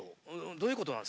どういうことなんですか？